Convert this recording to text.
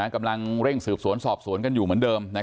กำลังเร่งสืบสวนสอบสวนกันอยู่เหมือนเดิม